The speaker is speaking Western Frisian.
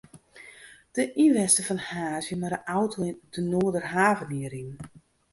De ynwenster fan Harns wie mei de auto de Noarderhaven yn riden.